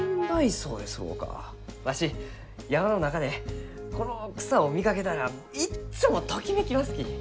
わし山の中でこの草を見かけたらいっつもときめきますき！